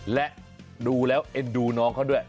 และดูแล้วเอ็นดูน้องเขาด้วย